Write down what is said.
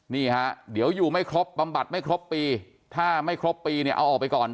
นี่ฮะเดี๋ยวอยู่ไม่ครบบำบัดไม่ครบปีถ้าไม่ครบปีเนี่ยเอาออกไปก่อน